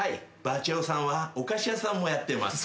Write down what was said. バチェ男さんはお菓子屋さんもやってます。